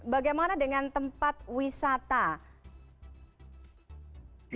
bagaimana dengan tempat wisata